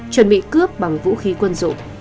chuẩn bị cướp bằng vũ khí quân dụng